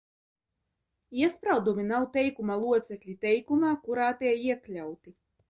Iespraudumi nav teikuma locekļi teikumā, kurā tie iekļauti.